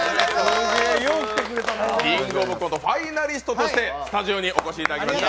「キングオブコント」ファイナリストとしてスタジオにお越しいただきました。